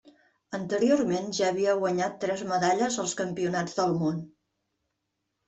Anteriorment ja havia guanyat tres medalles als Campionats del Món.